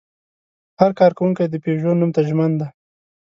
هر کارکوونکی د پيژو نوم ته ژمن دی.